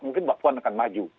mungkin mbak puan akan maju